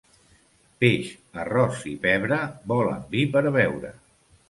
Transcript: Peix, arròs i pebre volen vi per beure.